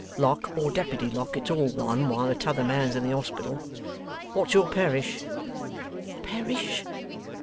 (Lock or Deputy Lock, it's all one, while the t'other man's in the hospital.) What's your Parish?' 'Parish!